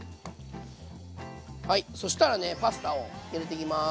はいそしたらねパスタを入れていきます。